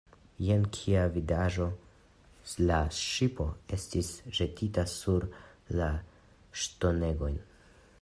Jen, kia vidaĵo! La ŝipo estis ĵetita sur la ŝtonegojn.